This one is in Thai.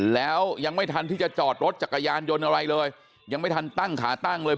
แล้วยังไม่ทันที่จะจอดรถจักรยานยนต์อะไรเลยยังไม่ทันตั้งขาตั้งเลย